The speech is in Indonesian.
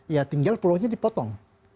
ya tinggal pulau nya dipotong